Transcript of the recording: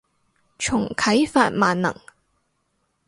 重啟法萬能